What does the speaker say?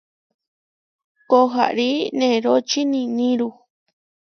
Koharí neróči niníru.